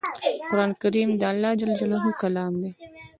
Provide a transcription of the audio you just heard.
قران کریم د الله ج کلام دی